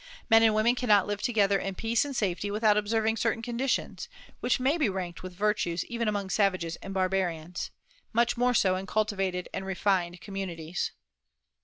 Men and women cannot live together in peace and safety without observing certain conditions, which may be ranked with virtues even among savages and barbarians, much more so in cultivated and refined communities.